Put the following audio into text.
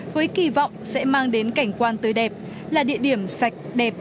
với kỳ vọng sẽ mang đến cảnh quan tới đẹp là địa điểm sạch đẹp